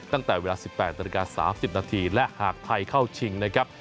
ตั้งแต่เวลา๑๘น๓๐นและหากไทยเข้าชิงนะครับ